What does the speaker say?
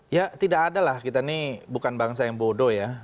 ya tidak adalah kita ini bukan bangsa yang bodoh ya